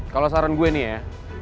kalau saran gue nih ya